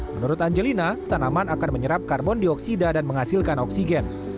menurut angelina tanaman akan menyerap karbon dioksida dan menghasilkan oksigen